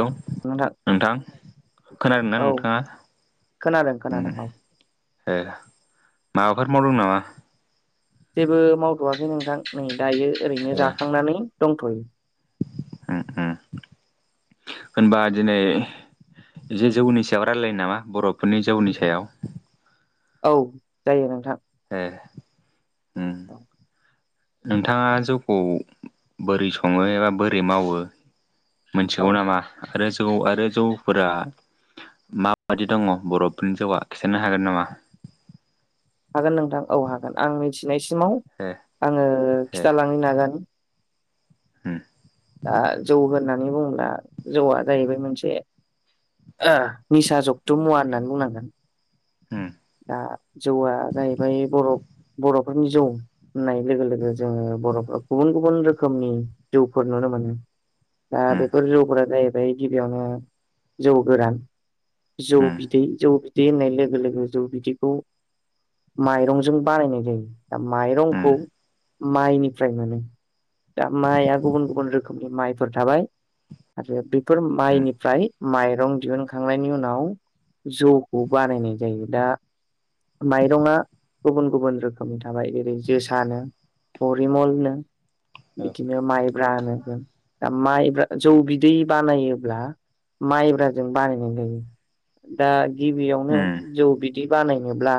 Hello नोंथां खोनादों ना औ खोनादों नोंथाङा? खोनादों औ ए माबाफोर मावदों नामा? जेबो मावथ'आाखै नोंथां नै दायो ओरैनो ए जाखांनानै दंथ'यो। उम उम होनबा दिनै जि जौनि सायाव रायलायो नामा बर'फोरनि जौनि सायाव। औ जायो नोंथां। एह। [unintelligible] नोंथाङा जौखौ बोरै सङो एबा बोरै मावो औ मोनथिगौ नामा आरो जौ आरो जौफोरा माबायदि दङ बर'फोरनि जौआ खिथानो हागोन नामा? हागोन नोंथां औ हागोन आं मिथिनायसिमाव ए आङो ए खिथालांनो नाजानि। उम। दा जौ होननानै बुङोब्ला जौआ जाहैबाय मोनसे ओ निसा जगथ' मुवा होननानै बुंनांगोन। उम। दा जौआ जाहैबाय बर बर'फोरनि जौ होननाय लोगो लोगो जोङो बर'फ गुबुन गुबुन रोखोमनि जौफोर नुनो मोनो। दा उम बेफोर जौफोरा जाहैबाय गिबियावनो जौ गोरान। जौ उम बिदै जौ बिदै होननाय लोगो लोगो जौ बिदैखौ माइरंजों बानायनाय जायो दा उम माइरंखौ माइनिफ्राय मोनो। दा माइआ गुबुन गुबुन रोखोमनि माइफोर थाबाय आरो बेफोर उम माइनिफ्राय माइरं दिहुनखांनायनि उनाव जौखौ बानायनाय जायो दा माइरंआ गुबुन गुबुन रोखोमनि थाबाय जेरै जोसानो। हरिमलनो औ बिदिनो माइ ब्रा नोगोन दा माइब्रा जौ बिदै बानायोब्ला माइब्राजों बानायनाय जायो। दा गिबियावनो उम उम जौ बिदि बानायनोब्ला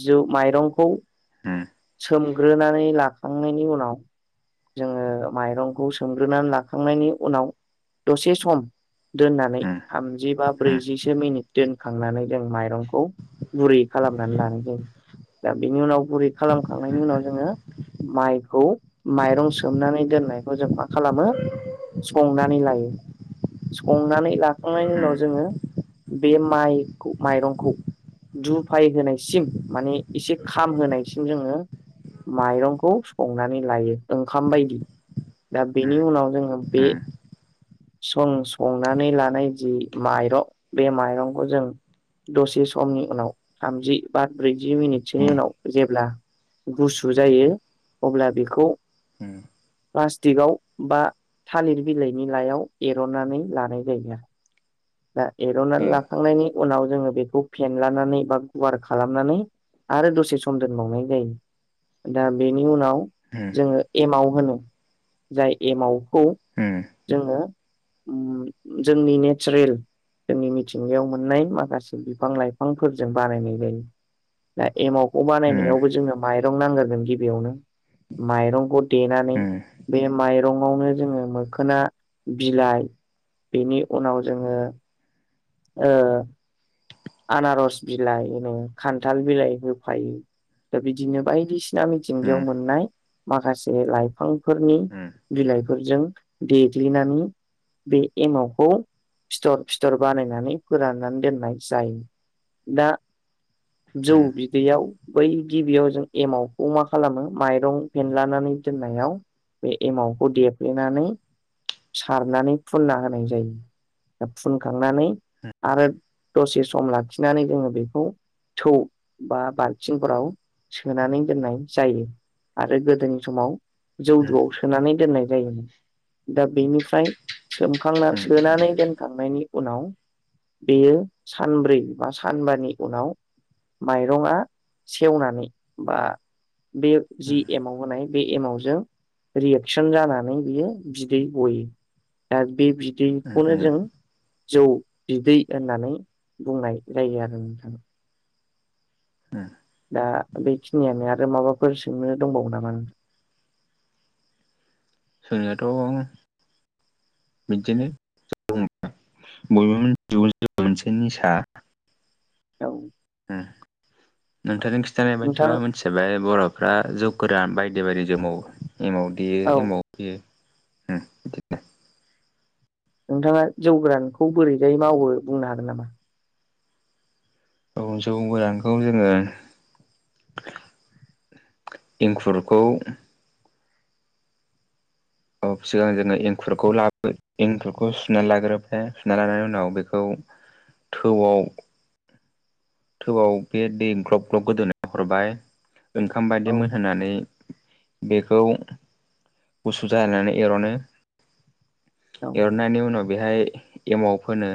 जौ माइरंखौ उम। सोमग्रोनानै लाखांनायनि उनाव जोङो माइरंखौ सोमग्रोनानै लाखांनायनि उनाव दसे सम दोननानै उम थामजि बा ब्रैजिसो मिनिट दोनखांनानै जों माइरंखौ बुरै खालामनानै लानो जायो दा बेनि उनाव गुरै खालामखांनायनि उनाव जोङो माइखौ माइरं सोमनानै दोननायखौ जों मा खालामो संनानै लायो संनानै लाखांनायनि उम उनाव जोङो बे माइख माइरंखौ दुफाय होनायसिम माने एसे खाम होनोनायसिम जोङो माइरंखौ संनानै लायो ओंखाम बायदि। दा बेनि उनाव जोङो बे सं संनानै लानाय जि माइर बे माइरंखौ जों दसे समनि उनाव थामजि बा ब्रैजि मिनिटसोनि उम उनाव जेब्ला गुसु जायो अब्ला बेखौ उम प्लास्टिकआव बा थालिर बिलाइनि लाइायाव एर'नानै लानाय जायो दा एर'नानै ए लाखांनायनि उनाव जोङो बेखौ फेनलानानै बा गुवार खालामनानै आरो दसे सम दोनबावनाय जायो दा बेनि उनाव जोङो एमाव होनो जाय एमावखौ जोंनियाथ' जोङो उम जोंनि नेट चारेल जोंनि मिथिंगायाव मोननाय माखासे बिफां लाइफांफोरजों बानायनाय जायो। दा एमावखौ बानायनायावबो जोंनो माइरं नांगारगोन गिबियावनो माइरंखौ देनानानै बे माइरंआवनो जोङो मोखोना बिलाइ बेनि उनाव जोङो ओ आनारस बिलाइ होनो खान्थाल बिलाइ होफायो दा बिदिनो बायदिसिना मिथिंगायाव मोननाय माखासे लाइफांफोरनि बिलाइफोरजों देग्लिनानै बे एमावखौ फिथर फिथर बानायनानै फोराननानै दोननाय जायो दा जौ बि दैयाव बै गिबियाव जों एमावखौ मा खालामो माइरं फेनलानानै दोननायाव बे एमाउन्टखौ देफ्लेनानै सारनानै फुनना होनाय जायो फुनखांनानै आरो दसे सम लाखिनानै जोङो बेखौ थौ बा बाल्थिंफोराव सोनानै दोननाय जायो आरो गोदोनि समाव जौदुआव सोनानै दोननाय जायोमोन दा बेनिफ्राय सोमखांना सोनानै बिदिनो दोनखांनायनि उनाव बेयो सानब्रै बा सानबानि उनाव माइरंङा सेवनानै बा बे जि एमाउ होनाय बे एमावजों रियेकसन जानानै बियो बिदै गयो दा बे बिदैखौनो जों जौ बिदै होननानै बुंनाय जायो आरो दा बेखिनियानो आरो माबाफोर सोंनो दंबावो नामा सोंनायाथ' बिदिनो बयबो मोनसे निसा औ नोंथांनि खिन्थानाय नोंथां बायदिबा मोनसे बर'फ्रा जौ गोरान बायदि बायदि जोमावो एमाव देयो औ एमाव देयो नोंथाङा जौगोरानखौ बोरैजाय मावो बुंनो हागोन नामा जौ गोरानखौ जोङो एंखुरखौ औ सिगां जोङो एंखुरखौ लाबो एंखलखौ सुना लाग्रोबाय सुना लानाय उनाव बेखौ थौआव थौआव बे दै ग्लब ग्लब गोदोनानै हरबाय ओंखाम औ बायदि मोनहोनानै बेखौ गुसु जैनानै एर'नो औ एरनायनि उनाव बेहाय एमाव फोनो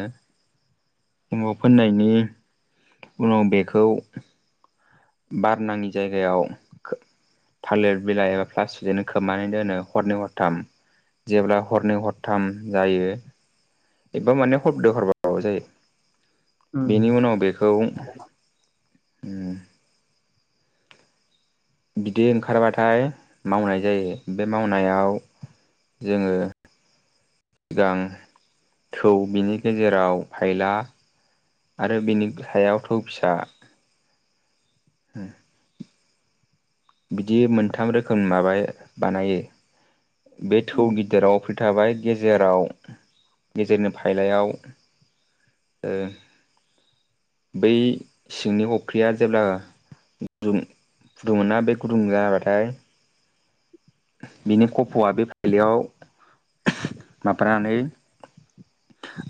एमाव फोननायनि उनाव बेखौ बार नाङि जायगायाव थालिर बिलाइ एबा प्लास्टिकजोंनो खोबनानै दोनो हरनै हरथाम जेब्ला औ हरनै हरथाम जायो एबा माने हरब्रै हरबाबाबो जायो उम बेनि उनाव बेखौ बिदै ओंखारबाथाय मावनाय जायो बे मावनायाव जोङो सिगां थौ बिनि गेजेराव फायला आरो बिनि सायाव थौ फिसा [unintelligible] बिदि मोनथाम रोखोम माबा बानायो बे थौ उम गिदिराव अफ्रिथाबाय गेजेराव गेजेरनि फाइलायाव बै सिंनि अख्रिया जेब्ला गुदुं गुदुं मोना बे गुदुं जाबाथाय बिनि खफ'आ बे फाइलयाव माबानानै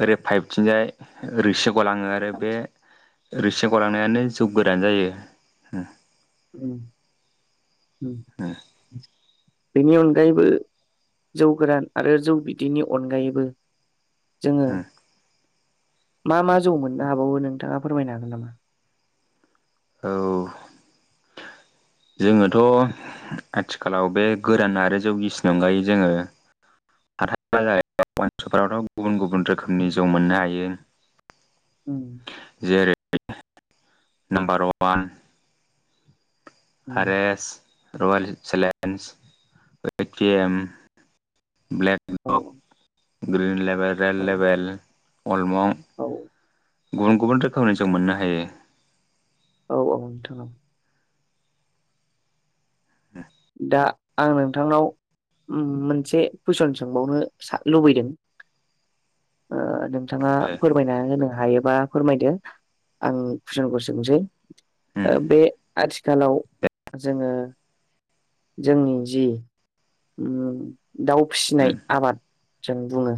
ओरै फाइभथिनिजाय ओरै गलाङो आरो बे रोसि गलांनायानो जौ गोरान जायो। उम उम बेनि अनगायैबो जौ गोरान आरो जौ बिदैनि अनगायैबो जोङो मा मा जौ मोननो हाबावो नोंथाङा फोरमायनो हागोन नामा? औ जोङोथ' आथिखालाव बे गोरान आरो जौगिसिनि अनगायै जोङो [unintelligible] गुबुन गुबुन रोखोमनि जौ मोननो हायो। [unintelligible] उम जेरै नाम्बार वान उम आरेस रयेल चेलन्ज वइटिएम ब्लेक औ ग्रिन लेभेल रेड औ लेभेल अलमं औ गुबुन गुबुन रोखोमनि जों मोननो हायो। औ औ नोंथां [unintelligible] दा आं नोंथांनाव उम मोनसे कुइसन सोंबावनो लुबैदों ओ नों थाङा फोरमायना होनो हायोबा फोरमायदो आं कुइसनखौ सोंसै उम ओ बे आथिखालाव जोङो जोंनि जि उम दाव फिसिनाय उम आबाद जों बुङो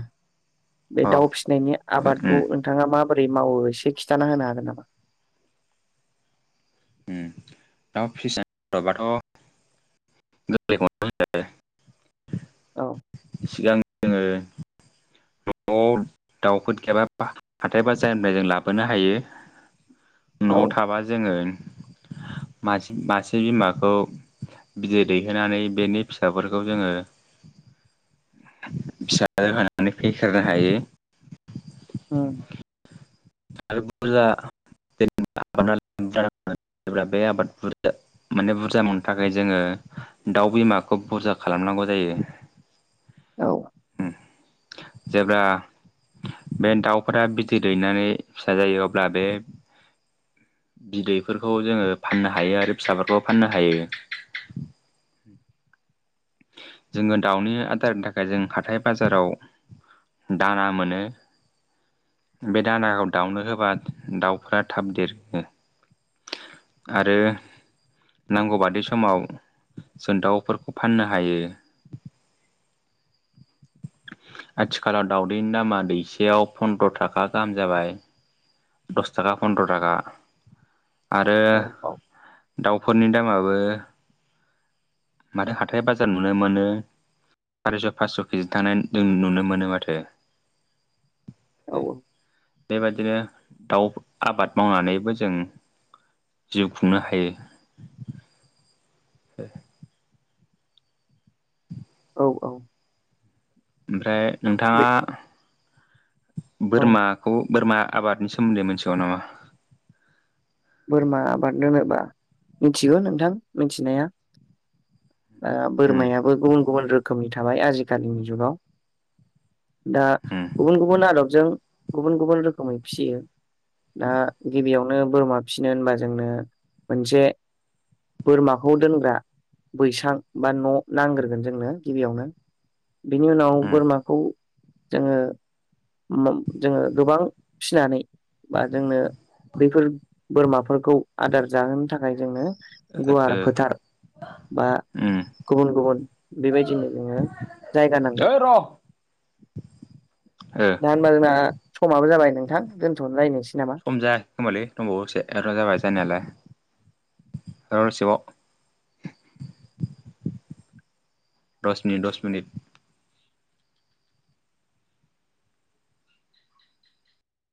बे अ दाउ फिसिनायनि आबादखौ उम नोंथाङा माबोरै मावो एसे खिन्थाना होनो हागोन नामा? उम दा [unintelligible] होनोबाथ' [unintelligible] औ सिगां जोङो नआव दाउफोर गैयाबा हाथाय बाजनिफ्राय जों लाबोनो हायो। औ न'आव थाबा जोङो मासे मासे बिमाखौ बिदै दैहोनानै बेनि फिसाफोरखौ जोङो फिसा जाहोनानानै फेहेरनो हायो। उम [unintelligible] [unintelligible] जेब्ला बे आबाद बुरजा माने बुरजा मोननो थाखाय जोङो दाउ बिमाखौ बुरजा खालामनांगौ जायो औ उम जेब्ला बे दाउफोरा बिदै दैनानै फिसा जायो अब्ला बे बिदैफोरखौ जोङो फाननो हायो आरो फिसाफोरखौबो फाननो हायो। जोङो दाउनि आदारनि थाखाय जों हाथाय बाजाराव दाना मोनो। बे दानाखौ दाउनो होबा दाउफोरा थाब देरो। आरो नांगौ बादि समाव जों दाउफोरखौ फाननो हायो आथिखालाव दावउदैनि दामा दैसेयाव फनद्र' थाखा गाहाम जाबाय। दस थाखा फन्द्र' थाखा। आरो औ औ दाउफोरनि दामाबो माथो हाथाय बाजार नुनो मोनो सारिस' फास' केजि थांनाय जों नुनो मोनो माथो औ ए बेबायदिनो दाउ आबाद मावनानैबो जों जिउ खुंनो हायो। ओ औ औ ओमफ्राय नोंथाङा बे औ बोरमाखौ बोरमा आबादनि सोमोन्दै मोनथिगौ नामा? बोरमा आबाद दोनोबा मिथिगौ नोंथां मिथिनाया ओ उम बोरमायाबो गुबुन गुबुन रोखोमनि थाबाय आजिखालिनि जुगाव दा उम गुबुन गुबुन आदबजों गुबुन गुबुन रोखोमै फिसियो दा गिबियावनो बोरमा फिसिनो होनबा जोंनो मोनसे बोरमाखौ दोनग्रा बैसां बा न' नांग्रोगोन जोंनो गिबियावनो बिनि उनाव बोरमाखौ जोङो मोम जोङो गोबां फिसिनानै बा जोंनो बेफोर बोरमाफोरखौ आदार जाहोनो थाखाय जोंनो ओ गुवार फोथार बा उम गुबुन गुबुन बेबायदिनो जोङो जायगा नांगोन। ओइ र' ओ दा होनबा जोंना समाबो जाबाय नोंथां दोनथ' लायनोसै नामा? होनबालै दंबावो एसे र' जाबाय जानायालाय र' एसेबाव दस मिनिट दस मिनिट